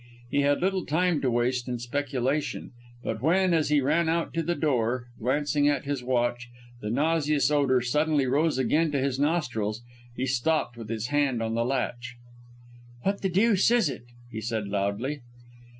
He had little time to waste in speculation, but when, as he ran out to the door, glancing at his watch, the nauseous odour suddenly rose again to his nostrils, he stopped with his hand on the latch. "What the deuce is it!" he said loudly.